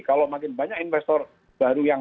kalau makin banyak investor baru yang